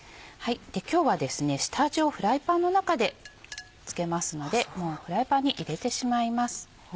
今日は下味をフライパンの中で付けますのでフライパンに入れてしまいます。